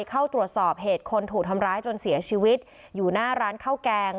เข้าตรวจสอบเหตุคนถูกทำร้ายจนเสียชีวิตอยู่หน้าร้านข้าวแกง